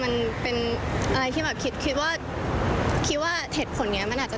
แล้วคือตั้งแต่แรกไม่คิดว่ามันจะเป็นเรื่องใหญ่ขนาดนี้